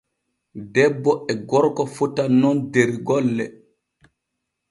Debbo e gorko fotan nun der golle.